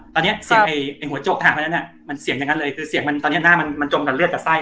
ตอนเนี้ยเสียงไอ้ไอ้หัวโจ๊กทหารเมื่อนั้นอ่ะมันเสียงอย่างนั้นเลยคือเสียงมันตอนเนี้ยหน้ามันมันจมกับเลือดกับไส้